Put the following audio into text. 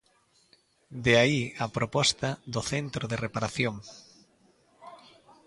De aí a proposta do centro de reparación.